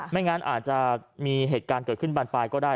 ไม่งั้นอาจจะมีเหตุการณ์เกิดขึ้นบานปลายก็ได้